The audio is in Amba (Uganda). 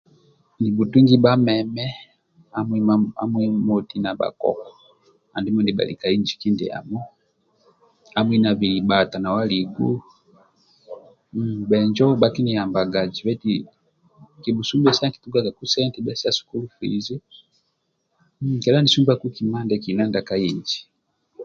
Nibhutungi bhameme hamui na moti bhakoko andimi bhakali ka inji kindiamo hamui na bilibhqtq nau aliku hhh bhenjo bhakiniyambaga zibe eti kibhusumbesa nkitungakubsente sa sukulu fizi hhh kedha nisumbaku kima ndie tolo ndia ka inji